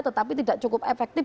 tetapi tidak cukup efektif